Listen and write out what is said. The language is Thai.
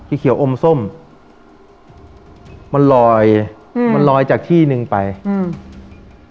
เขียวอมส้มมันลอยอืมมันลอยจากที่หนึ่งไปอืม